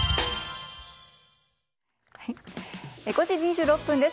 ５時２６分です。